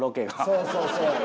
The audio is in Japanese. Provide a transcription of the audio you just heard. そうそうそう。